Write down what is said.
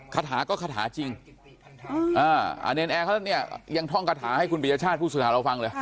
คาถาก็คาถาจริงอ่านแอนแอร์เขานี่ยังท่องคาถาให้คุณปริญญาชาติผู้สึกษาเราฟังเลย